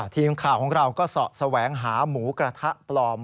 ทีมข่าวของเราก็เสาะแสวงหาหมูกระทะปลอม